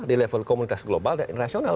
di level komunitas global dan nasional